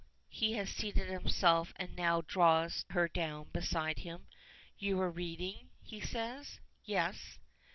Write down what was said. He has seated himself and now draws her down beside him. "You were reading?" he says. "Yes."